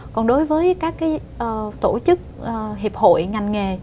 còn đối với các tổ chức hiệp hội ngành nghề